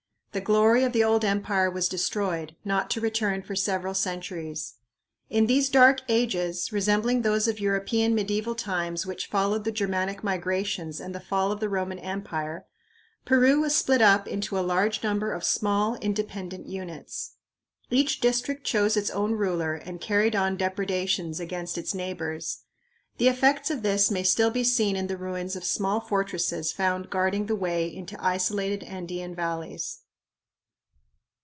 The glory of the old empire was destroyed, not to return for several centuries. In these dark ages, resembling those of European medieval times which followed the Germanic migrations and the fall of the Roman Empire, Peru was split up into a large number of small independent units. Each district chose its own ruler and carried on depredations against its neighbors. The effects of this may still be seen in the ruins of small fortresses found guarding the way into isolated Andean valleys.